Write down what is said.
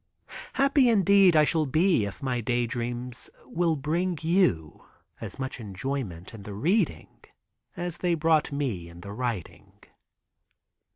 Happy indeed I shall be if my Dap Dreams will bring you as much enjoyment in the reading as they brought to me in the writing.